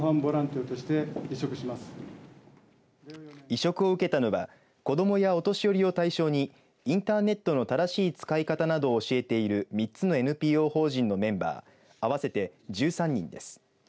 委嘱を受けたのは子どもやお年寄りを対象にインターネットの正しい使い方などを教えている３つのＮＰＯ法人のメンバー合わせて１３人です。